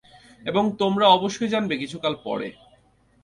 এর সংবাদ তোমরা অবশ্যই জানবে কিছুকাল পরে।